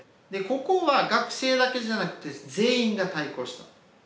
ここは学生だけじゃなくて全員が対抗した。